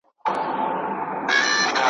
نه پېچک نه ارغوان یم ,